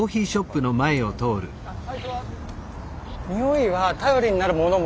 においは頼りになるものも。